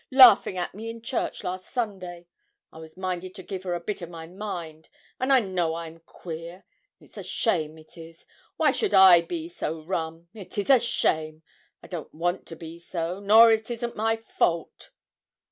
laughing at me in church last Sunday. I was minded to give her a bit of my mind. An' I know I'm queer. It's a shame, it is. Why should I be so rum? it is a shame! I don't want to be so, nor it isn't my fault.'